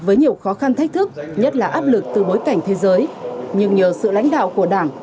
với nhiều khó khăn thách thức nhất là áp lực từ bối cảnh thế giới nhưng nhờ sự lãnh đạo của đảng